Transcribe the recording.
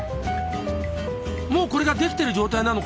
もうこれができてる状態なのかな？